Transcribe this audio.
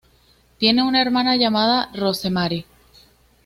Tiene una hermana llamada Rosemary.